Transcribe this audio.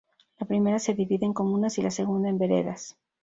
La primera se divide en comunas y la segunda en veredas.